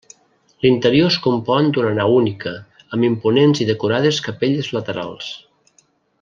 L'interior es compon d'una nau única, amb imponents i decorades capelles laterals.